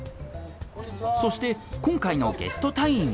そして今回のゲスト隊員は？